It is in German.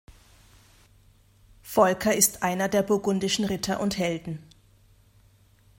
Volker ist einer der burgundischen Ritter und Helden.